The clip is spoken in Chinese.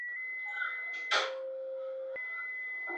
扶南的首都位于此处。